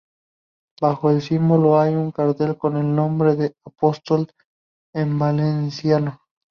Bajo el símbolo, hay un cartel con el nombre del apóstol en valenciano.